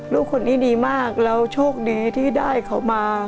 ลูกคนนี้ดีมากแล้วโชคดีที่ได้เขามา